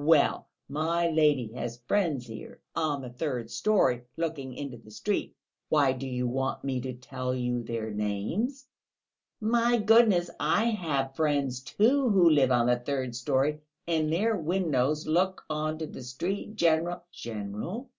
Well, my lady has friends here, on the third storey looking into the street. Why, do you want me to tell you their names?" "My goodness, I have friends too, who live on the third storey, and their windows look on to the street.... General...." "General!"